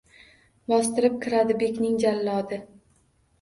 Bostirib kiradi bekning jallodi